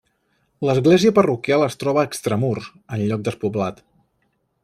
L'església parroquial es troba extramurs, en lloc despoblat.